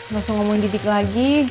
masuk ngomongin didik lagi